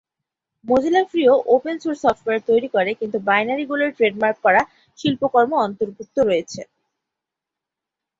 Mozilla free ও open source software তৈরী করে, কিন্তু বাইনারিগুলোয় ট্রেডমার্ক করা শিল্পকর্ম অন্তর্ভুক্ত রয়েছে।